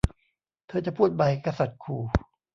เธอจะพูดไหม กษัตริย์ขู่